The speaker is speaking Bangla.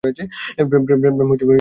প্রেম হচ্ছে সস্তা এক অনুভূতি!